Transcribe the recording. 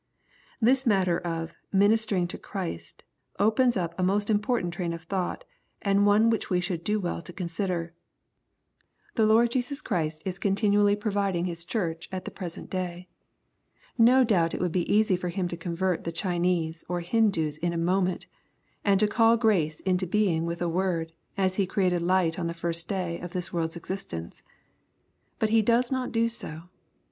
This matter of ^ ministering to Christ" opens up a most important train of thought, and one which we shall do well to consider. The Lord Jesus Christ is continu* LUKE, CHAP. VIII. 247 rily providing His Church at the preseo fc day. No ioubt it would be easy for Him to convert the Chinese or Hindoos in a moment, and to call grace into being with a word, as He created light on the first day of this world's exist ence. — But He does not do so.